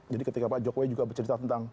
jadi ketika pak jokowi juga bercerita tentang